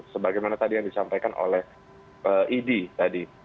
sebagaimana tadi yang disampaikan oleh idi tadi